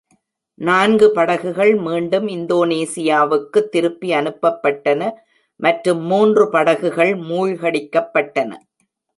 நான்கு படகுகள் மீண்டும் இந்தோனேசியாவுக்குத் திருப்பி அனுப்பப்பட்டன மற்றும் மூன்று படகுகள் மூழ்கடிக்கப்பட்டன.